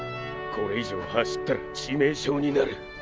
これ以上走ったら致命傷になる。